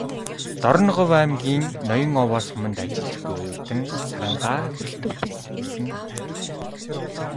"Дорноговь аймгийн Ноён-Овоо суманд ажиллаж буй оюутан Сарангаа"с гэсэн байв.